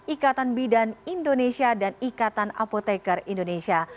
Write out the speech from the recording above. ikatan bidan indonesia dan ikatan apotekar indonesia